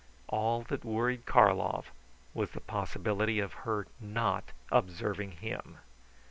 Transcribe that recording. All that worried Karlov was the possibility of her not observing him.